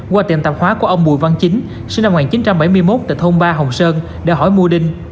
qua tiệm tạp hóa của ông bùi văn chính sinh năm một nghìn chín trăm bảy mươi một tại thôn ba hồng sơn đã hỏi mua đinh